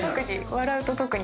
笑うと特に。